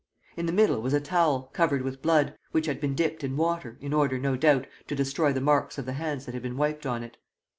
In the middle was a towel, covered with blood, which had been dipped in water, in order, no doubt, to destroy the marks of the hands that had been wiped on it.